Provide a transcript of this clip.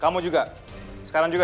kamu juga sekarang juga